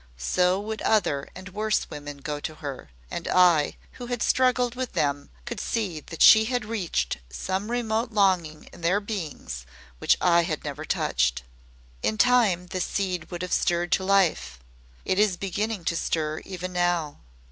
So would other and worse women go to her, and I, who had struggled with them, could see that she had reached some remote longing in their beings which I had never touched. In time the seed would have stirred to life it is beginning to stir even now.